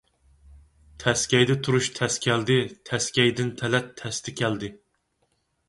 تەسكەيدە تۇرۇش تەس كەلدى، تەسكەيدىن تەلەت تەستە كەلدى.